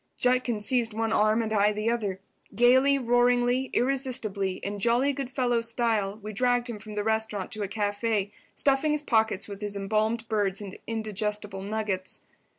Judkins seized one arm and I the other. Gaily, roaringly, irresistibly, in jolly good fellow style, we dragged him from the restaurant to a café, stuffing his pockets with his embalmed birds and indigestible nuggets.